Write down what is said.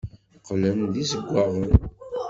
Qqlen d izewwaɣen.